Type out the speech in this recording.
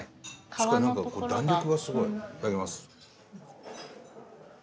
確かに何か弾力がすごい。いただきます。